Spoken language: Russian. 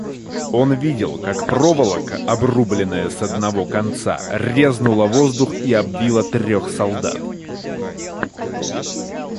Он видел, как проволока, обрубленная с одного конца, резнула воздух и обвила трех солдат.